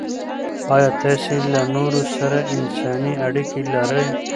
آیا تاسې له نورو سره انساني اړیکې لرئ؟